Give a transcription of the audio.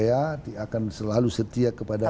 akan selalu setia kepada